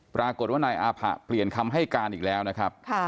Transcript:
ปรากฏว่านายอาผะเปลี่ยนคำให้การอีกแล้วนะครับ